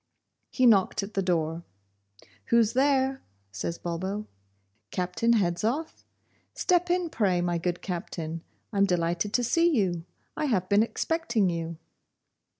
He knocked at the door. 'Who's there?' says Bulbo. 'Captain Hedzoff? Step in, pray, my good Captain; I'm delighted to see you; I have been expecting you.